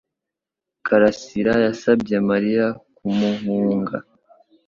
Karasira yasabye Mariya kumuhunga